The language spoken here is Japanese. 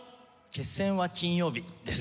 『決戦は金曜日』です。